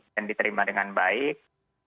dan diterima dengan baik